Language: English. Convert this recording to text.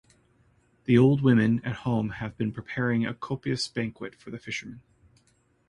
The old women at home have been preparing a copious banquet for the fishermen.